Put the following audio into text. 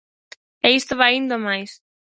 E isto vai indo a máis.